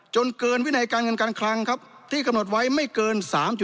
เกินวินัยการเงินการคลังครับที่กำหนดไว้ไม่เกิน๓๗